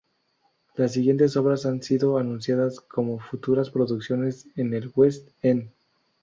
Las siguientes obras han sido anunciadas como futuras producciones en el West End.